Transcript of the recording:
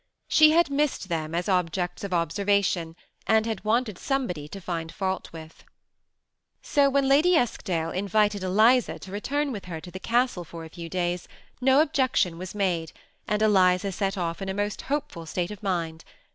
She had missed them as objects of observation, and had wanted somebody to find fault with. So when Lady Eskdale invited Eliza to return with her to the castle for a few days, no objection was made, and Eliza set off in a most hopeful state of mind.